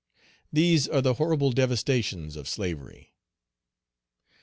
These are the horrible devastations of slavery.